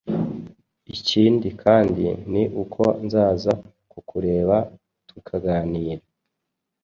ikindi kandi ni uko nzaza kukureba tukaganira